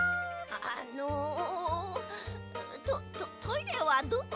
あのトトトイレはどこなのだ？